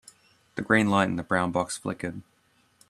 The green light in the brown box flickered.